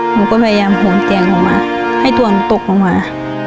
หนูก็พยายามห่วงเตียงลงมาให้ตัวหนูตกลงมา